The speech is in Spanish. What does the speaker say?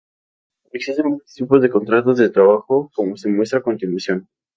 Existen varios tipos de contratos de trabajo como se muestran a continuación.